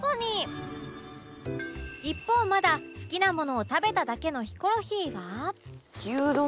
一方まだ好きなものを食べただけのヒコロヒーは